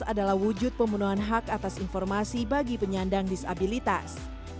adalah wujud pemenuhan hak atas informasi bagi penyandang disabilitas